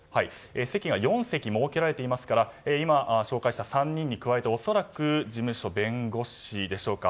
席が４席設けられていますから今、紹介した３人に加えて恐らく事務所弁護士でしょうか。